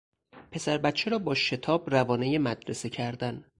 پسر بچه را با شتاب روانهی مدرسه کردن